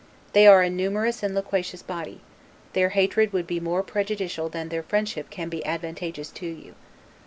They are a numerous and loquacious body: their hatred would be more prejudicial than their friendship can be advantageous to you.